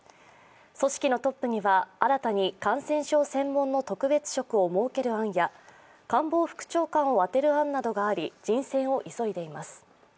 組織のトップには新たに感染症専門の特別職を設ける考えや官房副長官を充てる案などがあり人選を急いでいます。